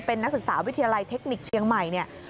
เป็นนักศึกษาวิทยาลัยเทคนิคเชียงใหม่เนี่ย